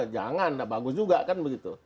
jangan bagus juga kan begitu